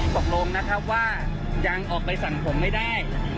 ตกลงนะครับว่ายังออกใบสั่งผมไม่ได้